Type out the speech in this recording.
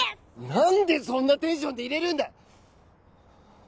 なんでそんなテンションでいれるんだ！？